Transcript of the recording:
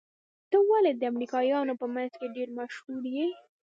ته ولې د امريکايانو په منځ کې ډېر مشهور يې؟